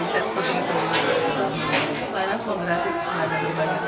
ini bayaran semua gratis tidak ada berbagai